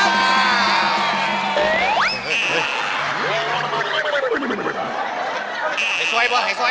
ไอ้สวยวะไอ้สวยวะ